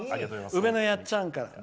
うめのやっちゃんから。